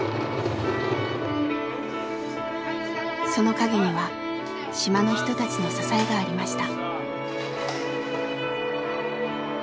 その陰には島の人たちの支えがありました。